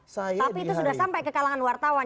tapi itu sudah sampai ke kalangan wartawan